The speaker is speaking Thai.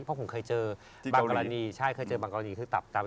เพราะผมเคยเจอบางกรณีใช่เคยเจอบางกรณีคือตับต่ำ